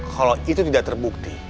kalau itu tidak terbukti